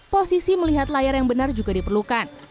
posisi melihat layar yang benar juga diperlukan